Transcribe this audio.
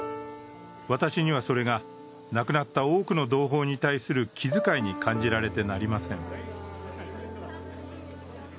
私には、それが亡くなった多くの同胞に対する気遣いに感じられてなりません。